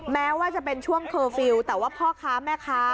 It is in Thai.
แม้ว่าจะเป็นช่วงเคอร์ฟิลล์แต่ว่าพ่อค้าแม่ค้า